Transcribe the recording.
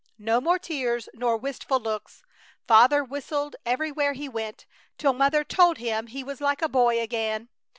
No more tears nor wistful looks. Father whistled everywhere he went, till Mother told him he was like a boy again.